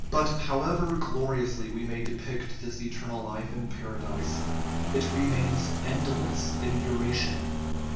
But, however gloriously we may depict this eternal life in Paradise, it remains endless in duration.